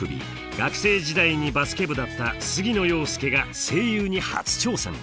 学生時代にバスケ部だった杉野遥亮が声優に初挑戦。